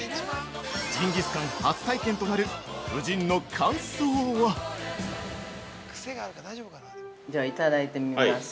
ジンギスカン初体験となる夫人の感想は◆じゃあ、いただいてみます。